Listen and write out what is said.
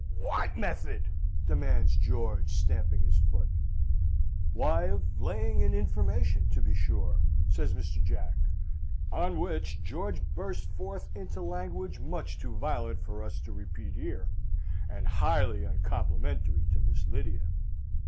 "What method?" demands George, stamping his foot. "Why, of laying an information, to be sure!" says Mr. Jack; on which George burst forth into language much too violent for us to repeat here, and highly uncomplimentary to Miss Lydia.